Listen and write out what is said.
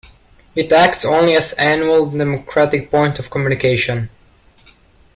It acts only as an annual democratic point of communication.